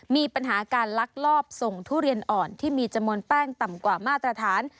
มีปัญหาการลักลอบส่งทุเรียนอ่อนที่มีจำนวนแป้งต่ำกว่ามาตรฐาน